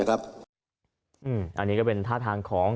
อันนี้ก็เป็นท่าทางของ